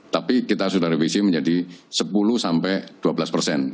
tapi kita sudah revisi menjadi sepuluh sampai dua belas persen